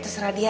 terus radia aja